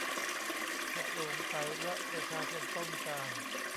ถ้าโปร่งใสและประชาชนต้องการ